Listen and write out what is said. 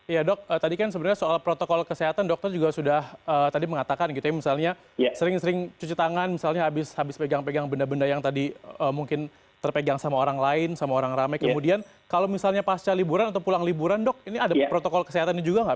ya dok tadi kan sebenarnya soal protokol kesehatan dokter juga sudah tadi mengatakan gitu ya misalnya sering sering cuci tangan misalnya habis pegang pegang benda benda yang tadi mungkin terpegang sama orang lain sama orang ramai kemudian kalau misalnya pasca liburan atau pulang liburan dok ini ada protokol kesehatan juga nggak